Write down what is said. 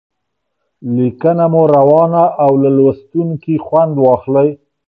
لیکنه مو روانه او له لوستونکي خوند واخلي.